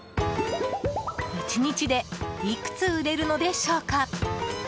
１日でいくつ売れるのでしょうか。